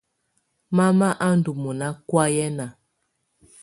Mama á ndɔ́ mɔna kɔ̀áyɛna.